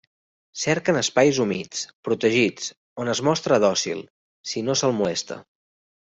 Cerquen espais humits, protegits, on es mostra dòcil, si no se'l molesta.